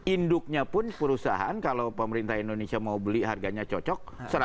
induknya pun perusahaan kalau pemerintah indonesia mau beli harganya cocok